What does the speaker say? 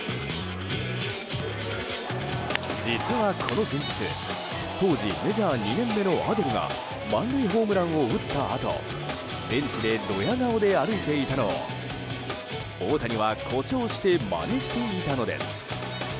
実はこの前日当時メジャー２年目のアデルが満塁ホームランを打ったあとベンチでドヤ顔で歩いていたのを大谷は誇張してまねしていたのです。